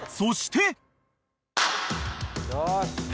よし。